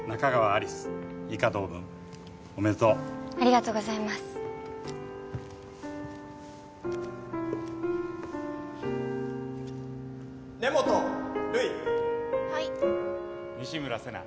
有栖以下同文おめでとうありがとうございます・根本留依はい西村世奈